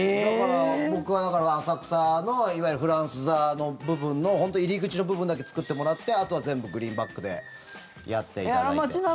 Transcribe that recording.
僕はだから、浅草のいわゆるフランス座の部分の本当に入り口の部分だけ作ってもらってあとは全部グリーンバックでやっていただいて。